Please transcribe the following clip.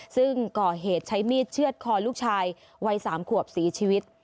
ซึ่งก่อเหตุใช้มีดเชื่อดคอลูกชายวัย๓ขวบเสียชีวิต